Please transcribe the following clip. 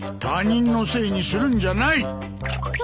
他人のせいにするんじゃない。